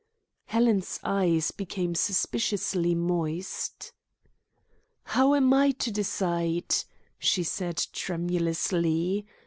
Helen's eyes became suspiciously moist. "How am I to decide?" she said tremulously.